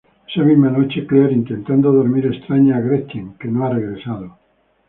Esa misma noche Claire intentando dormir extraña a Gretchen que no ha regresado.